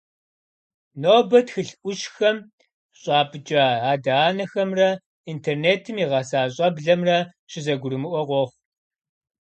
Нобэ, тхылъ Ӏущхэм щӀапӀыкӀа адэ-анэхэмрэ интернетым игъэса щӀэблэмрэ щызэгурымыӀуэ къохъу.